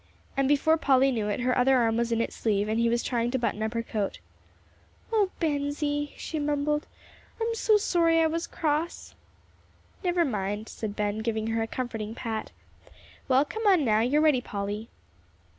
And before Polly knew it, her other arm was in its sleeve, and he was trying to button up her coat. "Oh, Bensie," she mumbled; "I'm so sorry I was cross." "Never mind," said Ben, giving her a comforting pat. "Well, come on, now you're ready, Polly."